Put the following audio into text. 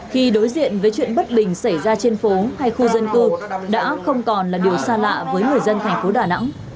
khi đối diện với chuyện bất bình xảy ra trên phố hay khu dân cư đã không còn là điều xa lạ với người dân thành phố đà nẵng